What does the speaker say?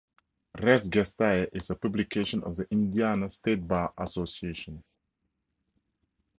"Res Gestae" is a publication of the Indiana State Bar Association.